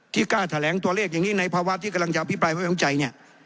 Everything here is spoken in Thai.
กล้าแถลงตัวเลขอย่างนี้ในภาวะที่กำลังจะอภิปรายไว้วางใจเนี่ย